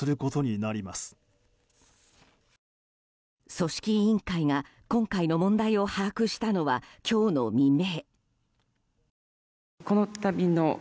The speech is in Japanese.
組織委員会が今回の問題を把握したのは今日の未明。